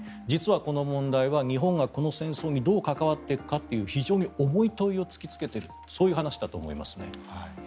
実はこの問題は日本がこの戦争にどう関わっていくかという非常に重い問いを突きつけているそういう話だと思います。